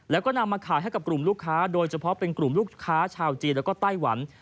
แล้วก็นำมาขายให้กับกลุ่มลูกค้าโดยเฉพาะเป็นกลุ่มลูกค้าชาวจีนแล้วก็ไต้หวัน